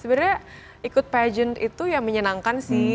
sebenarnya ikut passion itu ya menyenangkan sih